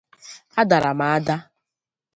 a dara m ada